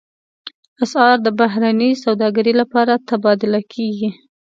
اسعار د بهرنۍ سوداګرۍ لپاره تبادله کېږي.